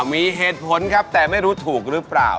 มีเหตุผลครับแต่ไม่รู้ถูกหรือเปล่า